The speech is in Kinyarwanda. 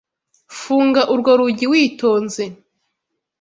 Funga urwo rugi witonze.